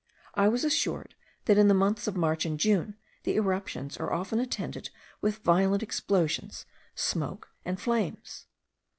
I was assured that in the months of March and June the eruptions are often attended with violent explosions, smoke, and flames.